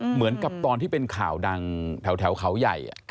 เหมือนกับตอนที่เป็นข่าวดังแถวเขาใหญ่